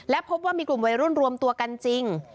และพบว่ามีกลุ่มวัยรุ่นรวมตัวกันจริง